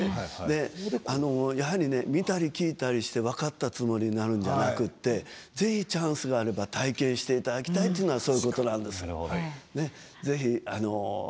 見たり聞いたりして分かったつもりになるんじゃなくてぜひチャンスがあれば体験していただきたいのはそういうことなんです。